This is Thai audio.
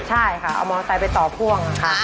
ใช่ค่ะเอามอเตอร์ไทยไปต่อพ่วงค่ะ